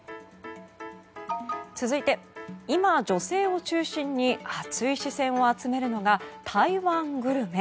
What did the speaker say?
続いて今、女性を中心に熱い視線を集めるのが、台湾グルメ。